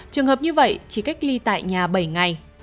trường hợp như vậy chỉ cách ly tại nhà bảy ngày